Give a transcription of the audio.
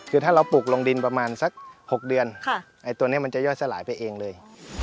คือถ้าเราปลูกลงดินประมาณสัก๖เดือนตัวนี้มันจะย่อยสลายไปเองเลย